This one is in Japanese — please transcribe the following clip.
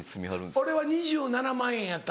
俺は２７万円やった。